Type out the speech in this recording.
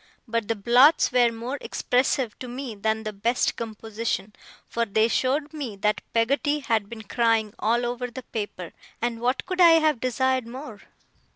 But the blots were more expressive to me than the best composition; for they showed me that Peggotty had been crying all over the paper, and what could I have desired more?